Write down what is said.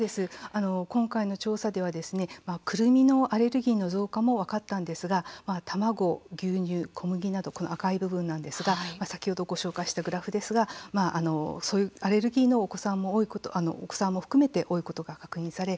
今回の調査ではくるみのアレルギーの増加も分かったんですが卵、牛乳、小麦などこの赤い部分なんですが先ほどご紹介したグラフですがそういうアレルギーのお子さんも含めて多いことが確認され